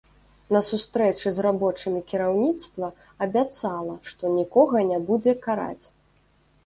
На сустрэчы з рабочымі кіраўніцтва абяцала, што нікога не будзе караць.